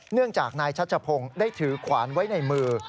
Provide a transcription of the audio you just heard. เนื่องจากนายชัชพงศ์ได้ถือขวานไว้ในมือ